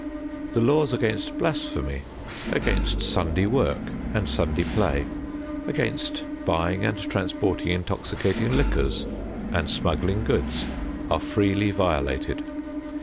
The laws against blasphemy, against Sunday work and Sunday play, against buying and transporting intoxicating liquors and smuggling goods are freely violated.